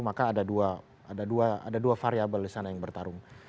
maka ada dua variable di sana yang bertarung